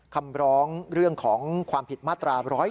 คำร้องเรื่องของความผิดมาตรา๑๑๒